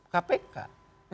kapolda metro itu diambil dari